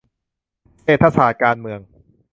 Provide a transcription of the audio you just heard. เศรษฐศาสตร์การเมือง